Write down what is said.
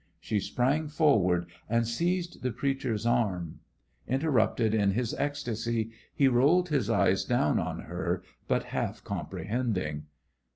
She sprang forward and seized the preacher's arm. Interrupted in his ecstasy, he rolled his eyes down on her but half comprehending.